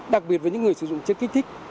đặc biệt với những người sử dụng chất kích thích